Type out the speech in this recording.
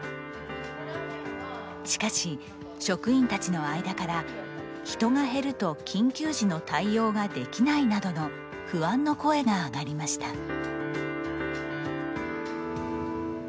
しかし職員たちの間から「人が減ると緊急時の対応ができない」などの不安の声が上がりました。